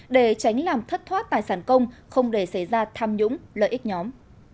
để tránh làm thất thoát tài sản công không để xảy ra tham nhũng lợi ích nhóm